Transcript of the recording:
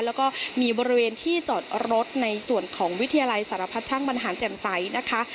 แล้วก็มีบริเวณที่จอดรถในส่วนของวิทยาลัยสารพัดช่างบรรหารแจ่มใสนะคะ